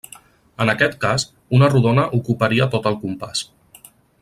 En aquest cas, una rodona ocuparia tot el compàs.